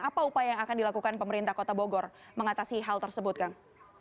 apa upaya yang akan dilakukan pemerintah kota bogor mengatasi hal tersebut kang